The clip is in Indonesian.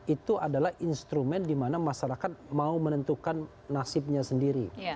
itu adalah instrumen dimana masyarakat mau menentukan nasibnya sendiri